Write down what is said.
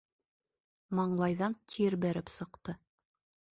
Маңлайҙан тир бәреп сыҡты.